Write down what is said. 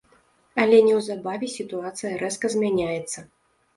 Але неўзабаве сітуацыя рэзка змяняецца.